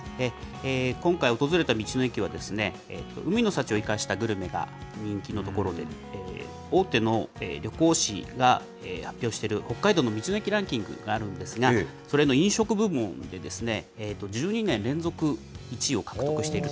今回訪れた道の駅は、海の幸を生かしたグルメが人気の所で、大手の旅行誌が発表している北海道の道の駅ランキングがあるんですが、それの飲食部門で１２年連続１位を獲得していると。